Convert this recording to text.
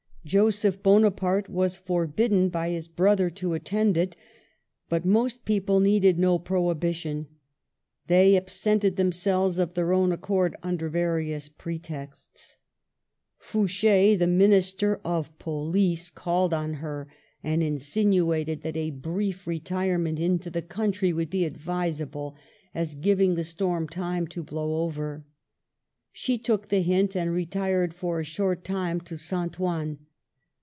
Joseph Bonaparte was for bidden by his brother to attend it ; but most people needed no prohibition, they absented themselves of their own accord under various pretexts. Fouchd, the Minister of Police, called Digitized by VjOOQLC MEETS NAPOLEON. 103 on her, and insinuated that a brief retirement into the country would be advisable, as giving the storm time to blow over. She took the hint, and retired for a short time to St. Ouen.